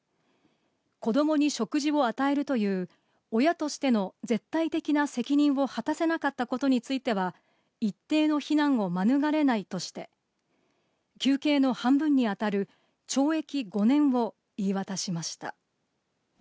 子どもに食事を与えるという、親としての絶対的な責任を果たせなかったことについては、一定の非難を免れないとして、求刑の半分に当たる懲役５年を言い渡しました。